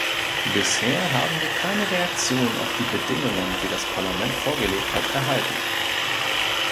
Bisher haben wir keine Reaktion auf die Bedingungen, die das Parlament vorgelegt hat, erhalten.